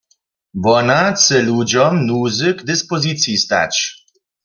Wona chce ludźom w nuzy k dispoziciji stać.